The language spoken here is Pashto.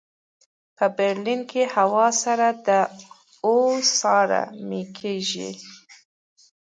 په برلین کې هوا سړه ده او ساړه مې کېږي